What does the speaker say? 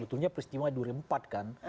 sehingga peristiwa dua puluh empat kan